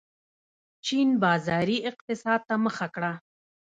چین بازاري اقتصاد ته مخه کړه.